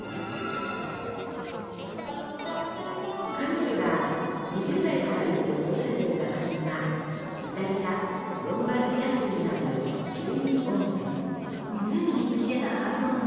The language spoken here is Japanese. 彼女が２０代からよく訪れていた場所がイタリアロンバルディア州にあるシルミオーネ。